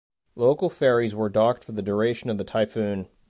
Local ferries were docked for the duration of the typhoon.